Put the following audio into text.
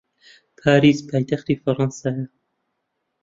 پاریس پایتەختی فەڕەنسایە.